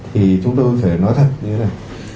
thì chúng tôi phải nói thật như thế này